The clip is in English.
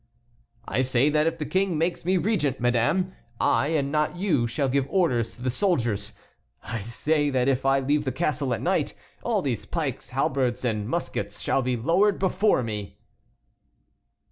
"I say that if the King makes me regent, madame, I, and not you, shall give orders to the soldiers. I say that if I leave the castle at night, all these pikes, halberds, and muskets shall be lowered before me."